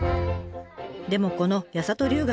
でもこの八郷留学